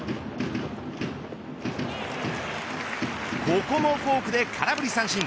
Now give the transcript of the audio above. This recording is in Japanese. ここもフォークで空振り三振。